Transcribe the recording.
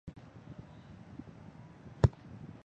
蔡突灵在南昌鸭子塘秘密设立中国同盟会支部。